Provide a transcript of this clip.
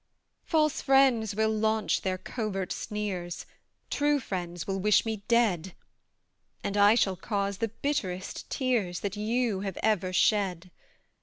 False friends will launch their covert sneers; True friends will wish me dead; And I shall cause the bitterest tears That you have ever shed.